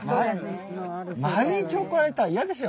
毎日怒られたら嫌でしょ？